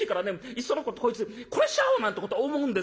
いっそのことこいつ殺しちゃおうなんてこと思うんですよ」。